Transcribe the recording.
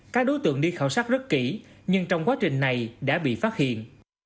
các đối tượng đi khảo sát rất kỹ nhưng trong quá trình này đã bị phát hiện